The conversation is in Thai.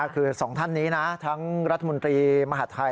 คือสองท่านนี้นะทั้งรัฐบุรตีมหาธัย